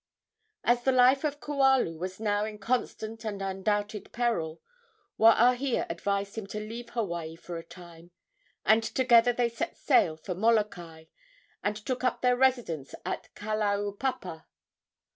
As the life of Kualu was now in constant and undoubted peril, Waahia advised him to leave Hawaii for a time, and together they set sail for Molokai, and took up their residence at Kalaupapa.